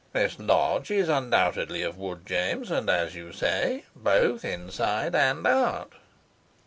"This lodge is undoubtedly of wood, James, and, as you say, both inside and out."